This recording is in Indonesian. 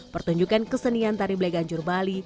pertunjukan kesenian tari bleganjur bali